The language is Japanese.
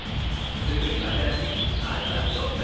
すぐに渡らずにまずはストップ！